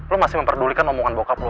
lo masih memperdulikan omongan bokap lo